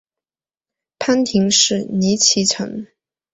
藩厅是尼崎城。